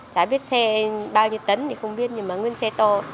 trái biết xe bao nhiêu tấn thì không biết nhưng mà nguyên xe to